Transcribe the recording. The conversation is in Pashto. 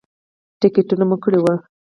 ټکټونه مو کړي وو.